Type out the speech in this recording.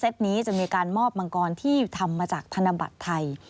ตนี้จะมีการมอบมังกรที่ทำมาจากธนบัตรไทย